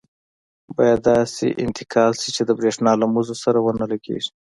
باید داسې انتقال شي چې د بریښنا له مزو سره ونه لګېږي.